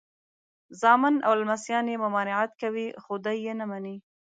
زامن او لمسیان یې ممانعت کوي خو دی یې نه مني.